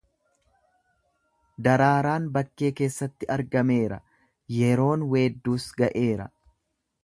daraaraan bakkee keessatti argameera, yeroon weedduus ga'eera,